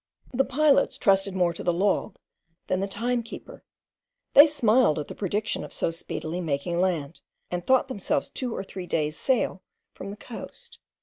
The pilots trusted more to the log than the timekeeper; they smiled at the prediction of so speedily making land, and thought themselves two or three days' sail from the coast.